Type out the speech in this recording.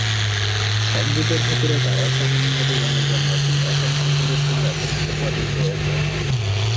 সংগীতের ক্ষেত্রে তাঁর অসামান্য অবদানের জন্য তিনি অসংখ্য পুরস্কার এবং উপাধি পেয়েছেন।